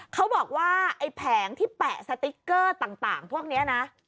เขาบอกว่าไอ้แผงที่แปะสติ๊กเกอร์ต่างพวกนี้นะ